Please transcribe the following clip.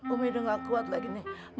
umi itu gak kuat lagi nih